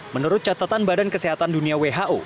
menurut catatan badan kesehatan dunia who